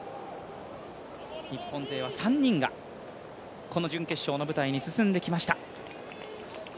日本勢は３人がこの準決勝の舞台に進んできました。